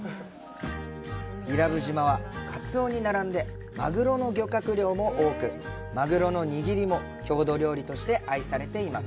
伊良部島はカツオに並んでマグロの漁獲量も多くマグロの握りも郷土料理として愛されています。